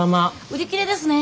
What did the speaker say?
売り切れですね。